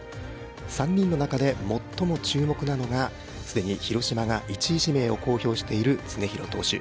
３人の中で最も注目なのが既に広島が１位指名を公表している常廣羽也斗投手。